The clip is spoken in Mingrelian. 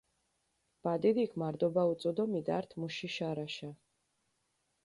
ბადიდიქ მარდობა უწუ დო მიდართჷ მუში შარაშა.